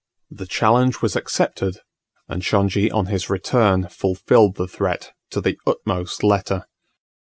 The challenge was accepted; and Shongi on his return fulfilled the threat to the utmost letter.